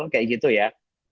kayak gitu ya